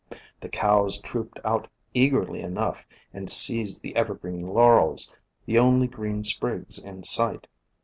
The cows trooped out eagerly enough, and seized the evergreen Laurels, the only green sprigs in sight.